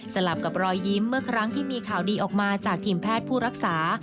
ลับกับรอยยิ้มเมื่อครั้งที่มีข่าวดีออกมาจากทีมแพทย์ผู้รักษา